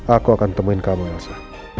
aku akan temuin kamu nasa